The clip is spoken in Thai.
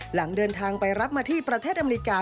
หลังเดินทางไปรับมาที่ประเทศอเมริกา